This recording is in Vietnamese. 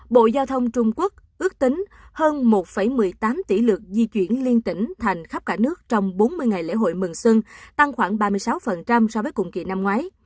bộ giao thông trung quốc ước tính hơn một một mươi tám tỷ lượt di chuyển liên tỉnh thành khắp cả nước trong bốn mươi ngày lễ hội mừng xuân tăng khoảng ba mươi sáu so với cùng kỳ năm ngoái